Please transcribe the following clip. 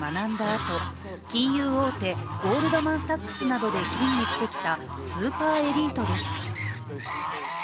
あと金融大手ゴールドマン・サックスなどで勤務してきたスーパーエリートです。